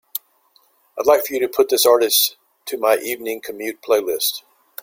I'd like for you to put this artist to my Evening Commute playlist.